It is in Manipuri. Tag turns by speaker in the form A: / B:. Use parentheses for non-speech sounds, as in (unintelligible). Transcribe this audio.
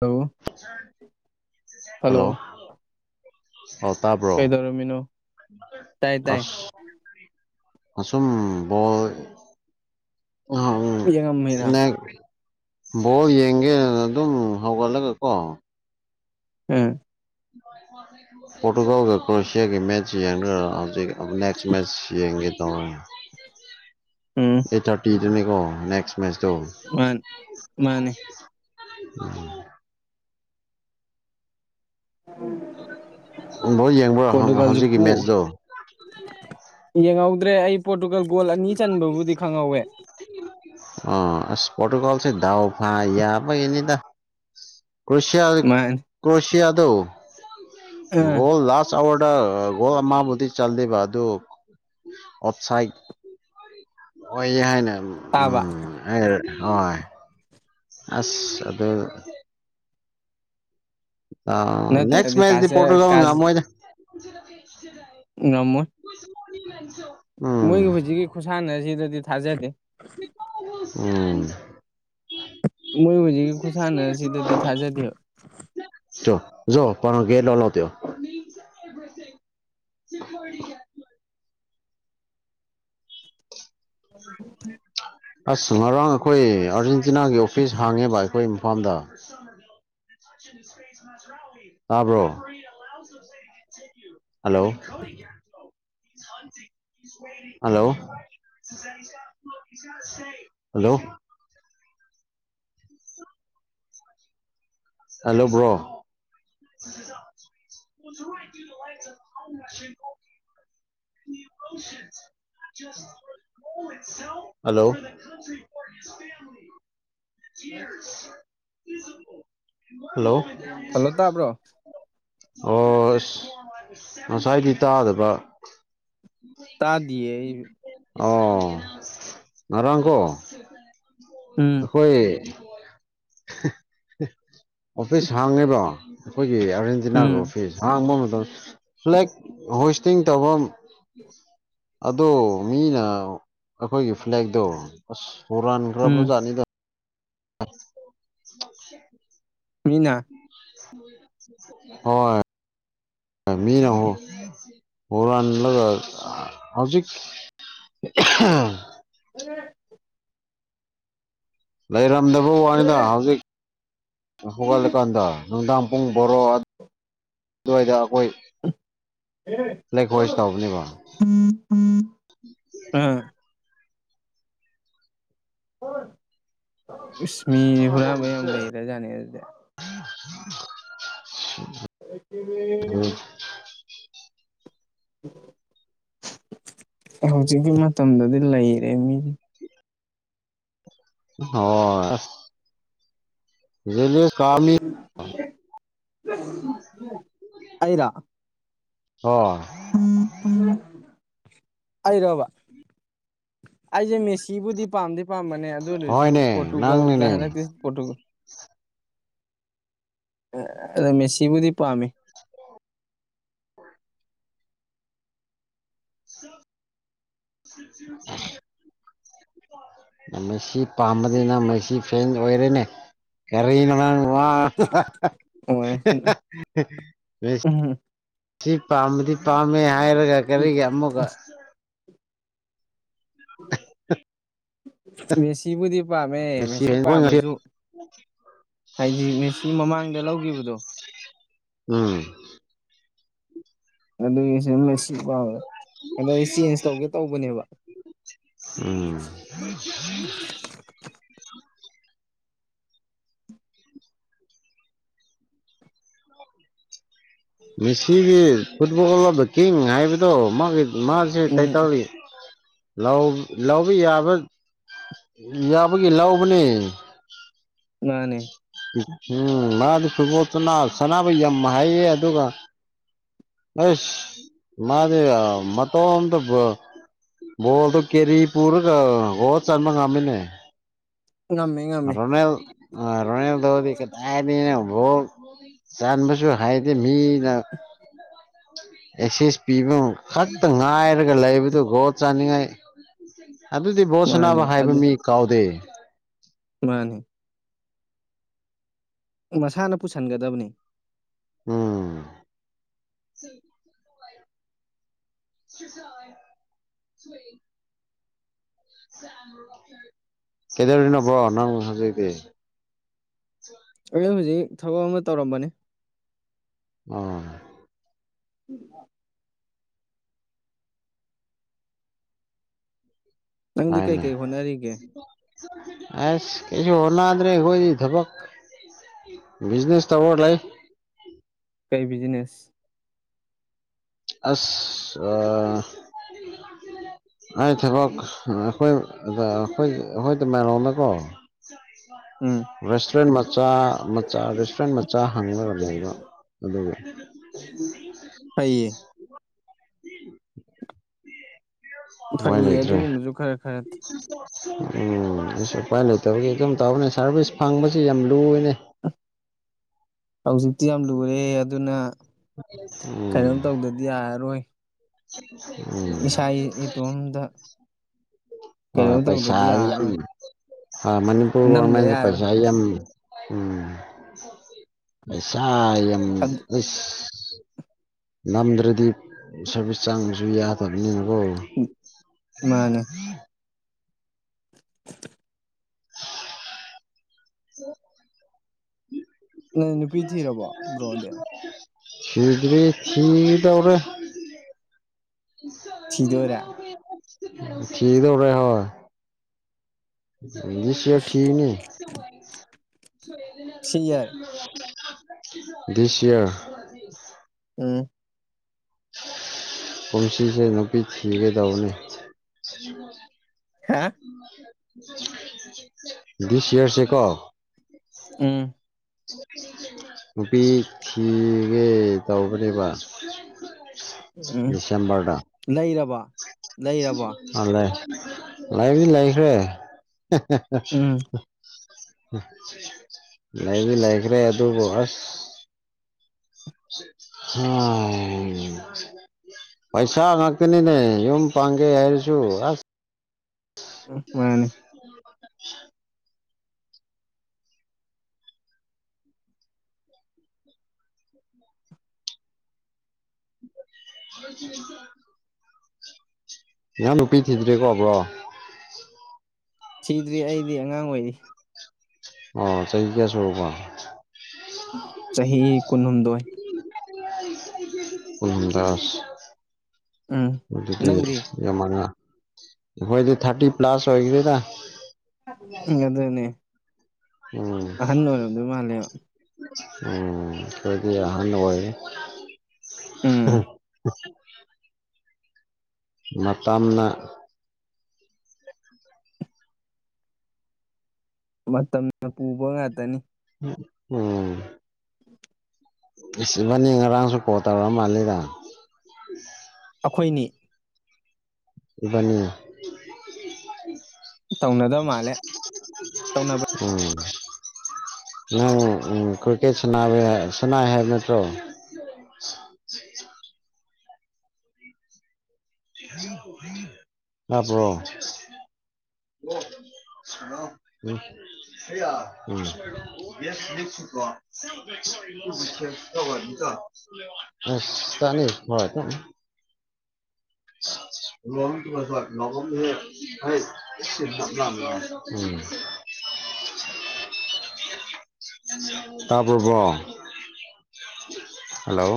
A: ꯍꯜꯂꯣ
B: ꯍꯜꯂꯣ ꯑꯣ ꯇꯥꯕ꯭ꯔꯣ
A: ꯀꯩꯗꯧꯔꯝꯃꯤꯅꯣ ꯇꯥꯏ ꯇꯥꯏ
B: ꯑꯁ ꯑꯁꯨꯝ ꯕꯣꯜ
A: ꯌꯦꯡꯉꯝꯃꯤꯔꯥ
B: ꯅꯦꯛ ꯕꯣꯜ ꯌꯦꯡꯒꯦꯅ ꯑꯗꯨꯝ ꯍꯧꯒꯠꯂꯒꯀꯣ
A: ꯎꯝ
B: ꯄꯣꯔꯇꯨꯒꯜꯒ ꯀ꯭ꯔꯣꯁꯤꯌꯥꯒꯤ ꯃꯦꯠꯁ ꯌꯦꯡꯔꯒ ꯍꯧꯖꯤꯛ ꯑꯃꯨꯛ ꯅꯦꯛꯁ ꯃꯦꯠꯁ ꯌꯦꯡꯒꯦ ꯇꯧꯔꯦ
A: ꯎꯝ
B: ꯑꯦꯠ ꯊꯥꯔꯇꯤꯗꯨꯅꯤꯀꯣ ꯅꯦꯛꯁ ꯃꯦꯠꯆꯇꯣ
A: ꯃꯥꯟ ꯃꯥꯅꯦ
B: (unintelligible) ꯕꯣꯜ ꯌꯦꯡꯕ꯭ꯔꯣ ꯍꯧ
A: ꯄꯣꯔꯇꯨꯒꯥꯜꯁꯨ
B: ꯍꯧꯖꯤꯛꯀꯤ
A: ꯄꯣ
B: ꯃꯦꯠꯁꯇꯣ
A: ꯌꯦꯡꯍꯧꯗ꯭ꯔꯦ ꯑꯩ ꯄꯣꯔꯇꯨꯒꯜ ꯒꯣꯜ ꯑꯅꯤ ꯆꯟꯕꯕꯨꯗꯤ ꯈꯪꯍꯧꯋꯦ
B: ꯑꯥ ꯑꯁ ꯄꯣꯔꯇꯨꯒꯜꯁꯦ ꯗꯥꯥꯎ ꯐꯥ ꯌꯥꯕꯒꯤꯅꯤꯗ ꯀ꯭ꯔꯣꯁꯤꯌꯥ
A: ꯃꯥꯅꯤ
B: ꯀ꯭ꯔꯣꯁꯤꯌꯥꯗꯣ
A: ꯑ
B: ꯒꯣꯜ ꯂꯥꯁ ꯍꯥꯋꯔꯗ ꯒꯣꯜ ꯑꯃꯕꯨꯗꯤ ꯆꯜꯂꯦꯕ ꯑꯗꯨ ꯑꯣꯐꯁꯥꯏꯠ ꯑꯣꯏꯌꯦ ꯍꯥꯏꯅ
A: ꯇꯥꯕ
B: ꯎꯝ ꯍꯣꯏ ꯑꯁ ꯑꯗꯨ ꯑ ꯅꯦꯛꯁ
A: ꯅꯠꯇ꯭ꯔꯗꯤ
B: ꯃꯦꯠꯁꯇꯤ
A: ꯀꯥꯖ
B: ꯄꯣꯔꯇꯨꯒꯜ
A: ꯀꯥꯖ
B: ꯉꯝꯃꯣꯏꯗ
A: ꯉꯝꯃꯣꯏ
B: (unintelligible) ꯎꯝ
A: ꯃꯣꯏꯒꯤ ꯍꯨꯖꯤꯛꯀꯤ ꯈꯨꯁꯥꯟꯅꯁꯤꯗꯗꯤ ꯊꯥꯖꯗꯦ
B: ꯎꯝ
A: ꯃꯣꯏ ꯍꯨꯖꯤꯛꯀꯤ ꯈꯨꯨꯁꯥꯟꯅꯁꯤꯗꯗꯤ ꯊꯥꯖꯗꯦꯕ
B: (unintelligible) (unintelligible)
A: (inaudible)
B: ꯑꯁ ꯉꯔꯥꯡ ꯑꯩꯈꯣꯏ ꯑꯔꯖꯦꯟꯇꯤꯅꯥꯒꯤ ꯑꯣꯐꯤꯁ ꯍꯥꯡꯉꯦꯕ ꯑꯩꯈꯣꯏ ꯐꯥꯝꯗ ꯇꯥꯕ꯭ꯔꯣ hello hello hello hello bro (unintelligible) (unintelligible) hello hello
A: hello ꯇꯥꯕ꯭ꯔꯣ
B: ꯑꯣ ꯉꯁꯥꯏꯗꯤ ꯇꯥꯗꯕ
A: ꯇꯥꯗꯤꯌꯦ ꯑꯩ
B: ꯑꯣ ꯉꯥꯡ ꯀꯣ
A: ꯎꯝ
B: ꯑꯩꯈꯣꯏ ꯑꯣꯐꯤꯁ ꯍꯥꯡꯉꯦꯕ ꯑꯩꯈꯣꯏ ꯑꯥꯔꯖꯦꯟꯇꯤꯅꯥꯒꯤ
A: ꯎꯝ
B: ꯑꯣꯐꯤꯁ ꯍꯥꯡꯕ ꯃꯇꯝꯗ ꯐ꯭ꯂꯦꯛ ꯍꯣꯁꯇꯤꯡ ꯇꯧꯕ ꯑꯗꯣ ꯃꯤꯅ ꯑꯩꯈꯣꯏꯒꯤ ꯐ꯭ꯂꯦꯗꯣ ꯑꯁ ꯀꯣꯔꯥꯟꯈ꯭ꯔꯕꯁꯨ
A: ꯎꯝ
B: ꯆꯅꯤꯗ (unintelligible)
A: ꯁꯨꯅ
B: ꯍꯣꯏ ꯃꯤ ꯅꯍꯣ ꯍꯔ ꯑꯅꯤꯂ ꯍꯧꯖꯤꯛ
A: ꯎ
B: ꯂꯩꯔꯝꯗꯕ ꯋꯥꯅꯤꯗ ꯍꯧꯖꯤꯛ ꯍꯧꯒꯠꯂꯀꯥꯟꯗ ꯅꯨꯡꯗꯥꯡ ꯄꯨꯡ ꯕꯣꯔꯣ ꯑꯗꯨꯋꯥꯏꯗ ꯑꯩꯈꯣꯏ
A: ꯝ
B: ꯂꯦꯛ ꯍꯣꯏꯁ
A: ꯎꯝ
B: ꯇꯧꯕꯅꯦꯕ
A: ꯑꯝ ꯏꯁꯃꯤ ꯍꯨꯔꯥꯟ ꯌꯥꯝ ꯂꯩꯒꯔꯥꯖꯠꯅꯦ ꯑꯗꯨꯗꯤ
B: ꯎꯝ
A: ꯑꯗꯨ ꯍꯧꯖꯤꯛꯀꯤ ꯃꯇꯝꯗꯗꯤ ꯂꯩꯔꯦ ꯃꯤ
B: ꯍꯣꯏ
A: (unintelligible) ꯑꯩꯔꯥ
B: ꯍꯣ
A: ꯑꯩꯔꯣꯕ ꯑꯩꯁꯦ ꯃꯦꯁꯤꯕꯨꯗꯤ ꯄꯥꯝꯗꯤ ꯄꯥꯝꯕꯅꯦ ꯑꯗꯨ ꯑꯣꯏꯔꯁꯨ
B: ꯍꯣꯏꯅꯦ
A: ꯄꯣꯔꯇꯨꯒꯜꯗ
B: ꯅꯪꯅꯤꯅꯦ
A: ꯍꯟꯗꯛꯇꯤꯇꯨ (unintelligible) ꯑꯗꯣ ꯃꯦꯁꯤꯕꯨꯗꯤ ꯄꯥꯝꯃꯤ
B: (unintelligible) ꯃꯦꯁꯤ ꯄꯥꯝꯕꯅꯤ ꯅ ꯃꯦꯁꯤ ꯐꯦꯟ ꯑꯣꯏꯔꯦꯅꯦ ꯀꯔꯤꯅꯣ ꯅꯪ ꯋꯥ
A: ꯎꯝ
B: ꯁꯤ ꯄꯥꯝꯕꯗꯤ ꯄꯥꯝꯃꯦ ꯍꯥꯏꯔꯒ ꯀꯔꯤꯒꯤ ꯑꯃꯨꯛꯀ (unintelligible)
A: ꯃꯦꯁꯤꯕꯨꯗꯤ ꯄꯥꯝꯃꯦ ꯃꯦꯁꯤ ꯄꯥꯝꯃꯁꯨ ꯍꯥꯏꯗꯤ ꯃꯦꯁꯤ ꯃꯃꯥꯡꯗ ꯂꯧꯈꯤꯕꯗꯣ
B: ꯎꯝ
A: ꯑꯗꯨꯒꯤ ꯁꯨꯝ ꯄꯥꯝ ꯑꯁꯨꯒꯤ ꯆꯦꯟꯖ ꯇꯧꯒꯦ ꯇꯧꯕꯅꯦꯕ
B: ꯎꯝ (unintelligible) ꯃꯦꯁꯤ ꯒꯤ ꯐꯨꯠꯕꯜ ꯑꯣꯐ ꯗꯥ ꯀꯤꯡ ꯍꯥꯏꯕꯗꯣ ꯃꯥꯁꯦ
A: ꯎꯝ
B: ꯇꯦꯇꯁ ꯂꯧꯕ ꯌꯥꯕ ꯌꯥꯕꯒꯤ ꯂꯧꯕꯅꯤ
A: ꯃꯥꯅꯦ
B: ꯎꯝ ꯃꯥꯗꯤ ꯐꯨꯠꯕꯣꯜ ꯁꯅꯕ ꯌꯥꯝ ꯍꯥꯏꯌꯦ ꯑꯗꯨꯒ ꯑꯁ꯭ ꯃꯥꯗꯤ ꯃꯇꯣꯝꯃꯥ ꯕꯣꯜ ꯗꯣ ꯀꯦꯔꯤ ꯄꯨꯔ ꯒꯣꯜ ꯆꯟꯕ ꯉꯃꯤꯅꯦ
A: ꯉꯝꯃꯦ ꯉꯝꯃꯦ
B: ꯑ ꯔꯣꯗ ꯇꯧꯔ꯭ꯗꯤ ꯀꯗꯥꯏꯗꯩꯅꯣ ꯑꯣ ꯆꯥꯟꯕꯁꯨ ꯍꯥꯏꯗꯦ ꯃꯤꯅ ꯑꯦꯛꯁꯁ ꯄꯤꯕ ꯈꯛꯇ ꯉꯥꯏꯔꯒ ꯂꯩꯕꯗꯨ ꯒꯣꯠ ꯆꯥꯅꯤꯡꯉꯥꯏ ꯑꯗꯨꯗꯤ
A: ꯃꯥꯅꯦ
B: ꯕꯣꯁꯅꯥꯕ ꯍꯥꯏꯕ ꯃꯤ ꯀꯥꯎꯗꯦ
A: ꯃꯅꯦ ꯃꯁꯥꯅ ꯄꯨꯁꯤꯟꯒꯗꯕꯅꯤ
B: ꯎꯝ ꯁꯁ ꯁꯋꯦ ꯀꯩꯗꯧꯔꯤꯅꯣ ꯕꯣ ꯍꯧꯖꯤꯛꯇꯤ
A: ꯑꯦꯖ ꯍꯧꯖꯤꯛ ꯊꯕꯛ ꯑꯃ ꯇꯧꯔꯝꯕꯅꯤ
B: ꯎꯝ
A: ꯎꯝ ꯅꯪꯗꯤ
B: ꯍꯥꯏꯅꯦ
A: ꯀꯩꯀꯩ ꯍꯣꯠꯅꯔꯤꯒꯦ
B: ꯑꯁ ꯀꯩꯁꯨ ꯍꯣꯠꯅꯥꯗ꯭ꯔꯦ ꯑꯩꯈꯣꯏꯗꯤ ꯊꯕꯛ ꯕꯤꯖꯤꯅꯦꯁ ꯇꯧꯔꯥ ꯂꯩ
A: ꯑꯩ ꯕꯤꯅꯦꯁ
B: ꯑꯁ
A: (unintelligible)
B: ꯑꯩ ꯊꯕꯛ ꯑꯩꯈꯣꯏ ꯑꯩꯣꯏ ꯑꯩꯈꯣꯏ ꯇ ꯃꯥꯏꯔꯣꯗꯀꯣ
A: ꯎꯝ
B: ꯔꯦꯁꯇꯨꯔꯦꯟ ꯃꯆꯥ ꯃꯆꯥ ꯔꯦꯁꯇꯨꯔꯦꯟ ꯃꯆꯥ ꯍꯪꯅꯔꯅꯤꯗꯣ ꯑꯗ
A: ꯐꯩꯌꯦ ꯐꯩꯌꯦ
B: ꯃꯣꯏꯟꯗ꯭ꯔꯦ
A: ꯑꯗꯨꯒꯨꯝꯕꯁꯨ ꯈꯔ ꯈꯔ
B: ꯎꯝ ꯑꯩꯁꯨ ꯎꯄꯥꯏ ꯂꯩꯇꯕꯒꯤ ꯑꯗꯨꯝ ꯇꯧꯕꯅꯦ ꯁꯥꯔꯚꯤꯁ ꯐꯪꯕꯁꯤ ꯌꯥꯝ ꯂꯨꯅꯦ
A: (unintelligible) ꯍꯧꯖꯤꯛꯇꯤ ꯌꯥꯝ ꯂꯨꯔꯦ ꯑꯗꯨꯅ
B: ꯎꯝ
A: ꯀꯩꯅꯣꯝ ꯇꯧꯗꯗꯤ ꯌꯥꯔꯔꯣꯏ
B: ꯎꯝ
A: ꯏꯁꯥ ꯏꯇꯣꯝꯗ
B: ꯍ
A: ꯀꯩꯅꯣꯝ
B: ꯄꯩꯁꯥ
A: ꯇꯧꯗꯗꯤ
B: ꯌꯥꯝ
A: ꯌꯥꯔꯔꯣꯏ
B: ꯍꯣꯏ
A: ꯅꯝꯗ
B: ꯃꯅꯤꯄꯨꯔ ꯣꯔꯃꯦꯟ ꯄꯩꯁꯥ
A: ꯌꯥꯔꯔꯣꯏ
B: ꯌꯥꯝ ꯎꯝꯁꯁ ꯅꯝꯗ꯭ꯔꯗꯤ ꯁꯥꯔꯚꯤꯁ ꯆꯥꯡꯕꯁꯨ ꯌꯥꯗꯕꯅꯤ
A: ꯃꯥꯅꯦ
B: ꯍ
A: ꯅꯪ ꯅꯨꯄꯤ ꯊꯤꯔꯕꯣ ꯕ꯭ꯔꯣꯗꯤ
B: (unintelligible) ꯁꯤꯤꯗꯔꯤ ꯆꯤꯗꯧꯔ
A: ꯊꯤꯗꯣꯏꯔꯦ
B: ꯆꯤꯗꯧꯔ ꯍ ꯑ ꯁꯠ ꯊꯦꯡꯀꯅꯦ
A: ꯁꯤ ꯌꯥꯔꯦ
B: ꯁ꯭ꯌꯥ
A: ꯎꯝ
B: ꯄꯨꯟꯁꯤꯁ ꯅꯄꯤꯤꯡꯒꯗꯕꯅꯤ
A: ꯍꯥ
B: ꯁ ꯏꯌꯥꯔꯁꯦ ꯀꯣ
A: ꯎꯝ
B: ꯅꯨꯄꯤ ꯊꯈꯤꯒꯦ ꯇꯧꯕꯅꯦꯕ
A: ꯎꯝ
B: ꯗꯤꯁꯦꯝꯝꯕꯔꯗ
A: ꯂꯩꯔꯕꯣ ꯂꯩꯔꯕꯣ
B: ꯑꯂꯦ ꯂꯥꯏꯗꯤ ꯂꯩꯈ꯭ꯔꯦ
A: ꯎꯝ
B: ꯂꯩꯕꯤ ꯂꯩꯈ꯭ꯔꯦ ꯑꯗꯨꯕꯨ ꯑꯁ ꯍ ꯄꯩꯁꯥ ꯉꯥꯛꯇꯅꯤꯅꯦ ꯌꯨꯝ ꯄꯥꯡꯒꯦ ꯍꯥꯏꯔꯁꯨ ꯑꯁ
A: ꯃꯥꯅꯦ
B: ꯑ (inaudible) ꯉꯍꯥꯟ ꯅꯨꯄꯤ ꯊꯤꯗ꯭ꯔꯦꯀꯣꯕ꯭ꯔꯣ
A: ꯁꯤꯗ꯭ꯔꯤ ꯑꯩꯗꯤ ꯑꯉꯥꯡ ꯑꯣꯏꯔꯤ
B: ꯑꯣ ꯇꯩ ꯀꯁꯨꯕ
A: ꯆꯍꯤ ꯀꯨꯟꯍꯨꯝꯗꯣꯏ
B: ꯀꯝꯗꯥꯁ
A: ꯎꯝ
B: ꯑꯗꯨꯗꯨꯗꯤ
A: ꯅꯪꯗꯤ
B: ꯌꯥꯝꯅ ꯍꯣꯏꯗꯤ ꯊꯥꯔꯇꯤ ꯄ꯭ꯂꯁ ꯑꯣꯏꯒꯗꯦꯗ
A: ꯎꯝ ꯑꯗꯨꯅꯦ
B: ꯎꯝ
A: ꯑꯍꯟ ꯑꯣꯏꯔꯕꯝꯗꯣꯏ ꯃꯥꯜꯂꯦꯕ
B: ꯎꯝ ꯀꯗꯒꯤ ꯑꯍꯅ ꯑꯣꯏꯣꯏ (inaudible)
A: ꯎꯝ
B: ꯃꯇꯝꯄꯥꯝꯅ
A: ꯃꯇꯝꯅ ꯄꯨꯕ ꯉꯥꯛꯇꯅꯤ
B: ꯎꯝ ꯕꯅꯤ ꯉꯔꯥꯡꯁꯨ ꯀꯣ ꯇꯔ ꯃꯥꯜꯂꯤꯗ
A: ꯑꯩꯈꯣꯏꯅꯤ
B: ꯅꯤꯌꯥ
A: ꯇꯧꯅꯗꯕ ꯃꯥꯜꯂꯦ ꯇꯧꯅꯕ
B: ꯀ꯭ꯔꯀꯦ ꯁ ꯁꯅꯥ ꯍꯦ ꯅꯠꯇꯣ (inaudible) ꯃꯥꯔꯕ꯭ꯔꯣ ꯎꯝ ꯌꯦꯁꯀ ꯑ ꯆꯅꯤ ꯍꯣꯏ ꯀ ꯂ ꯇ
A: ꯑ
B: ꯇꯥꯔꯕ꯭ꯔꯕꯣ ꯍꯜꯂꯣ